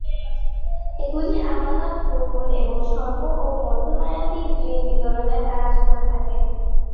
এগুলি আমানত গ্রহণ এবং স্বল্প ও মধ্যমেয়াদি ঋণ বিতরণের কাজ করে থাকে।